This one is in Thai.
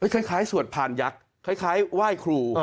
สวดพานยักษ์คล้ายไหว้ครู